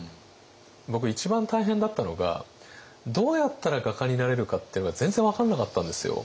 僕一番大変だったのがどうやったら画家になれるかっていうのが全然分からなかったんですよ。